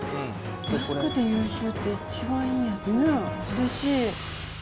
安くて優秀って、一番いい、うれしい。